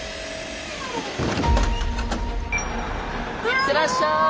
いってらっしゃい！